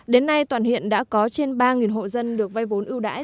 đến nay toàn huyện đã có trên ba hộ dân được vay vốn ưu đãi